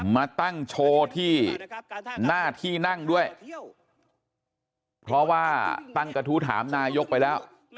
มาตั้งโชว์ที่หน้าที่นั่งด้วยเพราะว่าตั้งกระทู้ถามนายกไปแล้ว